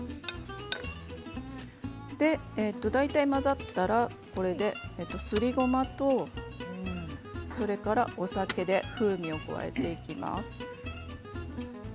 大体混ざったらすりごまとお酒で風味を加えていきます。